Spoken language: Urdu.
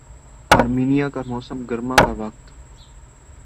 آرمینیا کا موسم گرما کا وقت